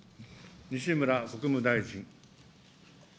西村国務大臣。